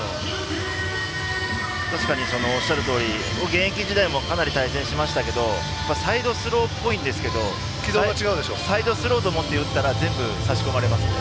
現役時代もかなり対戦しましたけれどサイドスローっぽいんですけれどサイドスローと思って打ったら全部差し込まれますね。